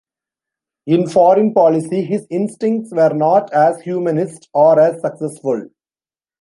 In foreign policy his instincts were not as humanist or as successful.